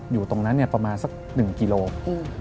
อยู่ตรงนั้นประมาณสัก๑กิโลกรัม